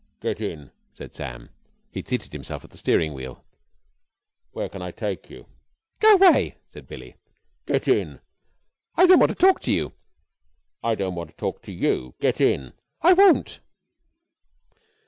"Get in," said Sam. He had seated himself at the steering wheel. "Where can I take you?" "Go away!" said Billie. "Get in!" "I don't want to talk to you." "I want to talk to you! Get in!" "I won't."